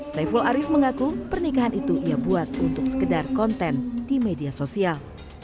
saiful arief mengaku pernikahan itu ia buat untuk sekedar konten di media sosial